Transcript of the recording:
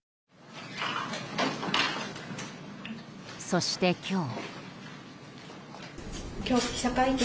そして今日。